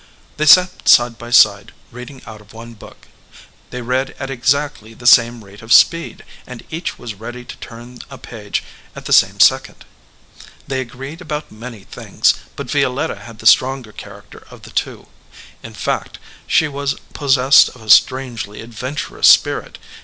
They sat side by side, reading out of one book. They read at exactly the same rate of speed, and each \vas ready to turn a page at the same second. They agreed about many things, but Violetta had the stronger character of the two ; in fact, she was possessed of a strangely adventurous spirit.